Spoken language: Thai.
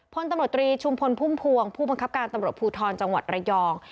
ภตรชุมพลภูมิผวงผู้บังคับการณ์ปริฐรพูทรจังหวัดระยอง